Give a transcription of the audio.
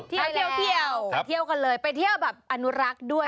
เที่ยวเที่ยวไปเที่ยวกันเลยไปเที่ยวแบบอนุรักษ์ด้วย